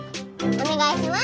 お願いします！